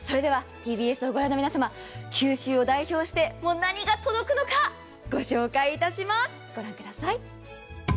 ＴＢＳを御覧の皆様、九州を代表して、何が届くのか御紹介いたします、御覧ください。